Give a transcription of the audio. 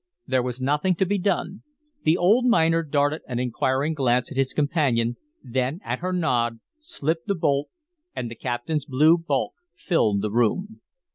There was nothing to be done. The old miner darted an inquiring glance at his companion, then, at her nod, slipped the bolt, and the captain's blue bulk filled the room.